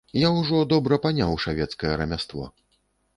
Я ўжо добра паняў шавецкае рамяство.